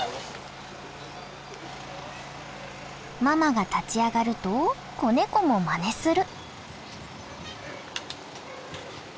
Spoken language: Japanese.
ママが立ち上がると子ネコもまねする。